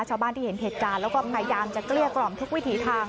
ชาวบ้านที่เห็นเหตุการณ์แล้วก็พยายามจะเกลี้ยกล่อมทุกวิถีทาง